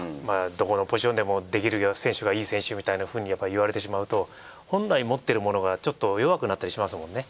どこのポジションでもできる選手がいい選手みたいなふうにやっぱ言われてしまうと本来持ってるものがちょっと弱くなったりしますもんね。